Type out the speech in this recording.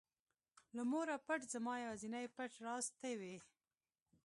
له موره پټ زما یوازینى پټ راز ته وې.